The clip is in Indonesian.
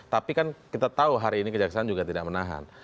tapi kan kita tahu hari ini kejaksaan juga tidak menahan